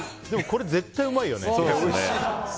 でもこれ絶対うまいよね。